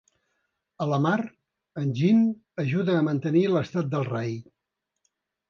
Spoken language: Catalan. A la mar, en Jin ajuda a mantenir l'estat del rai.